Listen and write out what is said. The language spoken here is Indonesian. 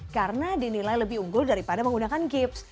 karena dinilai lebih unggul daripada menggunakan gips